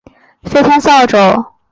飞天扫帚。